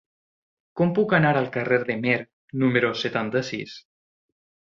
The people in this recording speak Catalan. Com puc anar al carrer de Meer número setanta-sis?